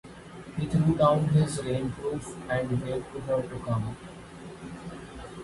He threw down his rainproof and waved to her to come.